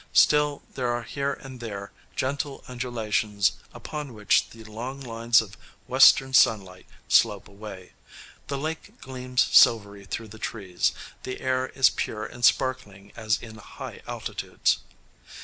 Still, there are here and there gentle undulations upon which the long lines of western sunlight slope away; the lake gleams silvery through the trees; the air is pure and sparkling as in high altitudes.